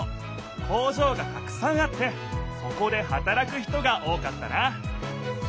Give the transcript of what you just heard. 工場がたくさんあってそこではたらく人が多かったな。